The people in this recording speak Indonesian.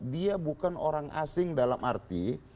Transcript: dia bukan orang asing dalam arti